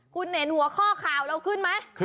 คุณเห็นหัวข้อข่าวเราขึ้นไหม